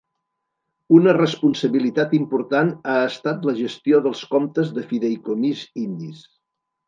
Una responsabilitat important ha estat la gestió dels comptes de fideïcomís indis.